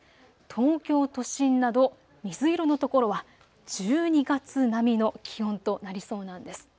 東京都心など水色の所は１２月並みの気温となりそうなんです。